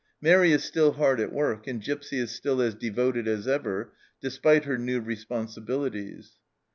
Mairi is still hard at work, and Gipsy is still as devoted as ever, despite her new responsibilities.